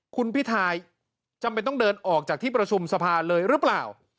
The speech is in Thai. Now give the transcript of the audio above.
คุณพิทายจำเป็นต้องเดินออกจากที่ประชุมสภาเลยหรือเปล่า